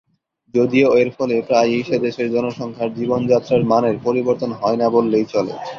যদিও এর ফলে প্রায়ই সেদেশের জনসংখ্যার জীবনযাত্রার মানের পরিবর্তন হয়না বললেই চলে।